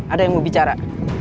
ada yang mau bicara